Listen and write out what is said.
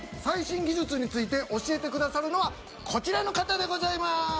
最新技術について教えてくださるのはこちらの方でございます。